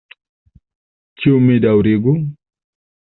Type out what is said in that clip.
Ĉu mi daŭrigu?